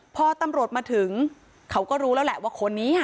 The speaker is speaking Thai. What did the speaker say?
พอตำรวจมาถึงเขาก็รู้แล้วแหละว่าคนนี้